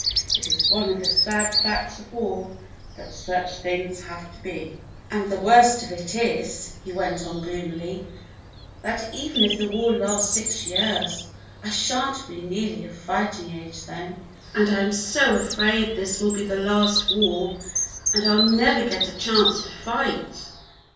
"It is one of the sad facts of war that such things have to be." "And the worst of it is," he went on gloomily, 108 THE BLUE AUNT "that even if the war lasts six years I sha'n't be nearly of fighting age then. And T am so afraid this will be the last war, and I '11 never get a chance to fight."